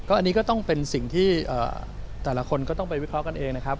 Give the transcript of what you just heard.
อันนี้ก็ต้องเป็นสิ่งที่แต่ละคนก็ต้องไปวิเคราะห์กันเองนะครับ